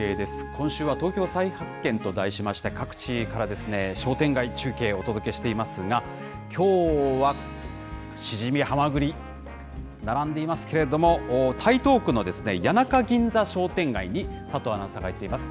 今週は東京再発見と題しまして、各地から商店街中継をお届けしていますが、きょうは、シジミ、ハマグリ、並んでいますけれども、台東区の谷中銀座商店街に、佐藤アナウンサーが行っています。